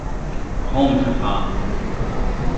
Kom för fan!